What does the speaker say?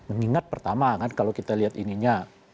mengingat pertama kan kalau kita lihat ininya